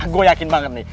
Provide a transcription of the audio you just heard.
gua yakin banget nih